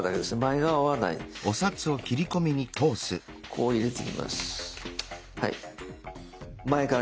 こう入れてみます。